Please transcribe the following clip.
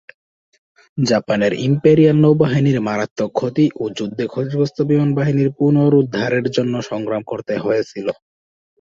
জাপানের ইম্পেরিয়াল নৌবাহিনীর মারাত্মক ক্ষতি ও যুদ্ধে ক্ষতিগ্রস্ত বিমান বাহিনীর পুনরুদ্ধারের জন্য সংগ্রাম করতে হয়েছিল।